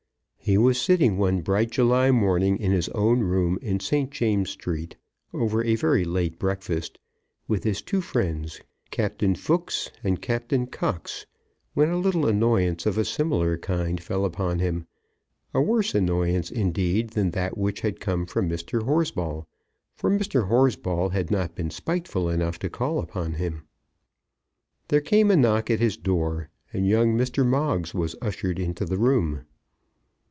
He was sitting one bright July morning in his own room in St. James's Street, over a very late breakfast, with his two friends, Captain Fooks and Lieutenant Cox, when a little annoyance of a similar kind fell upon him; a worse annoyance, indeed, than that which had come from Mr. Horsball, for Mr. Horsball had not been spiteful enough to call upon him. There came a knock at his door, and young Mr. Moggs was ushered into the room.